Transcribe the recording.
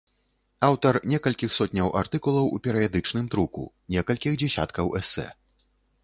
Аўтар некалькіх сотняў артыкулаў у перыядычным друку, некалькіх дзесяткаў эсэ.